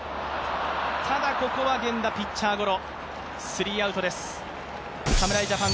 ただここは源田、ピッチャーゴロ。